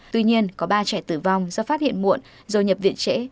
tuy nhiên có ba trẻ tử vong do phát hiện muộn rồi nhập viện trễ